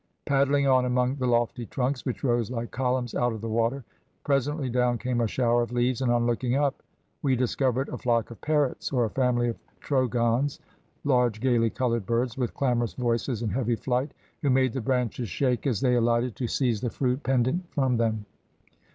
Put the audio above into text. Paddling on among the lofty trunks which rose like columns out of the water, presently down came a shower of leaves, and on looking up, we discovered a flock of parrots or a family of trogons, large gaily coloured birds, with clamorous voices and heavy flight, who made the branches shake as they alighted to seize the fruit pendent from them.